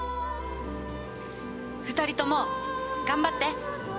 ２人とも頑張って！